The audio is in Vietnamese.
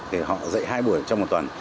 thì họ dạy hai buổi trong một tuần